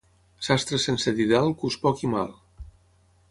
Sastre sense didal cus poc i mal.